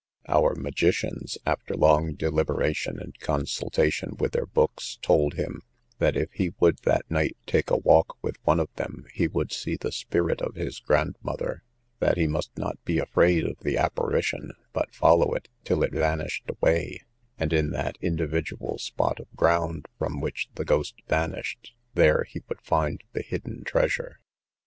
Our magicians, after long deliberation and consultation with their books, told him, "that if he would that night take a walk with one of them, he would see the spirit of his grandmother; that he must not be afraid of the apparition, but follow it till it vanished away, and in that individual spot of ground from which the ghost vanished, there he would find the hidden treasure."